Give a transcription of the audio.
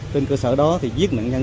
tên cơ sở đó thì giết nạn nhân